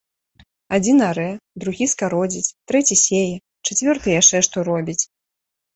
Адзін арэ, другі скародзіць, трэці сее, чацвёрты яшчэ што робіць.